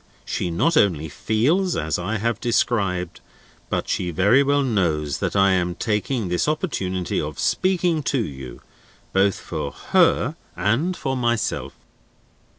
She not only feels as I have described, but she very well knows that I am taking this opportunity of speaking to you, both for her and for myself."